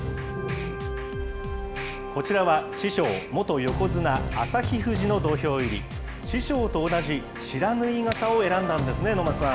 こちらは師匠、元横綱・旭富士の土俵入り、師匠と同じ不知火型を選んだんですね、能町さん。